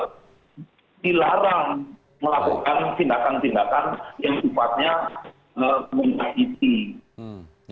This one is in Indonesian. kode etik dokter indonesia itu juga dilarang melakukan tindakan tindakan yang sempatnya menghentai itu